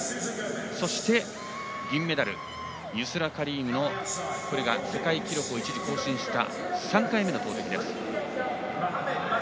そして、銀メダルユスラ・カリームの世界記録を一時更新した３回目の投てきです。